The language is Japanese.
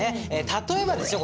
例えばですよ